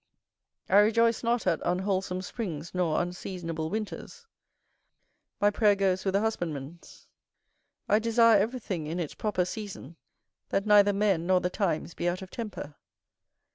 I rejoice not at unwholesome springs nor unseasonable winters: my prayer goes with the husbandman's; I desire everything in its proper season, that neither men nor the times be out of temper.